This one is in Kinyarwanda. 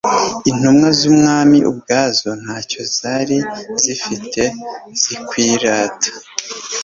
Intumwa z'Umwami, ubwazo ntacyo zari zifite zakwirata.